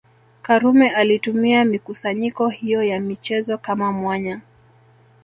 Karume alitumia mikusanyiko hiyo ya michezo kama mwanya